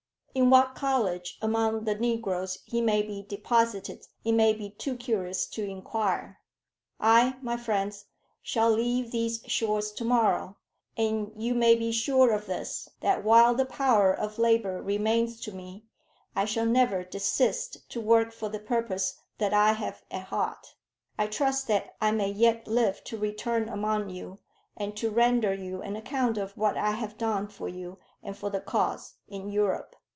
"In what college among the negroes he may be deposited, it may be too curious to inquire. I, my friends, shall leave these shores to morrow; and you may be sure of this, that while the power of labour remains to me, I shall never desist to work for the purpose that I have at heart. I trust that I may yet live to return among you, and to render you an account of what I have done for you and for the cause in Europe."